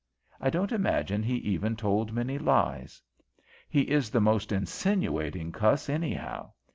I don't imagine he even told many lies. He is the most insinuating cuss, anyhow.